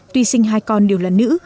tuy sinh hai con đều là nữ